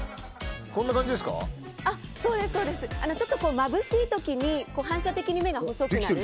まぶしい時に反射的に目が細くなる。